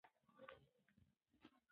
داسلامي حكومت دحاكميت موخه اوغرض بشري